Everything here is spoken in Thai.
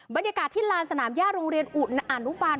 บรรยากาศที่ลานสนามย่าโรงเรียนอนุบาล